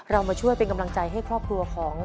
มาช่วยเป็นกำลังใจให้ครอบครัวของ